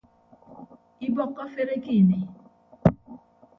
Ibọkkọ afere ke ini.